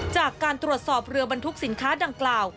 จากการตรวจสอบเรือบรรทุกสินค้าดังกล่าว